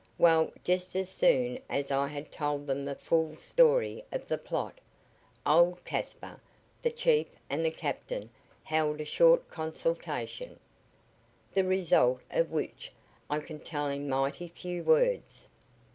Well, just as soon as I had told them the full story of the plot, old Caspar, the chief and the captain held a short consultation, the result of which I can tell in mighty few words.